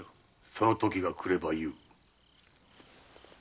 そのときが来れば言う。